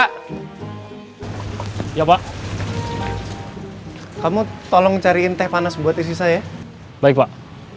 hai ya pak kamu tolong cariin teh panas buat isi saya baik pak